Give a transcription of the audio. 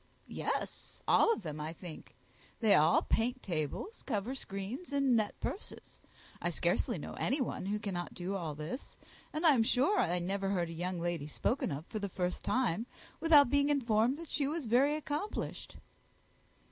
"Yes, all of them, I think. They all paint tables, cover screens, and net purses. I scarcely know any one who cannot do all this; and I am sure I never heard a young lady spoken of for the first time, without being informed that she was very accomplished."